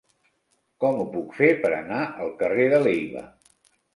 Com ho puc fer per anar al carrer de Leiva?